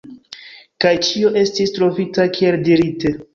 Kaj ĉio estis trovita, kiel dirite.